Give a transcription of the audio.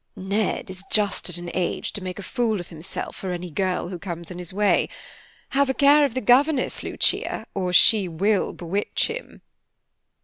"Ned is just at an age to make a fool of himself for any girl who comes in his way. Have a care of the governess, Lucia, or she will bewitch him."